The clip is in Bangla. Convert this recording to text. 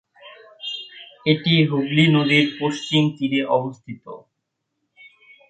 এটি হুগলি নদীর পশ্চিম তীরে অবস্থিত।